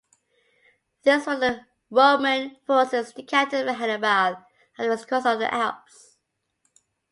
These were the Roman forces encountered by Hannibal after his crossing of the Alps.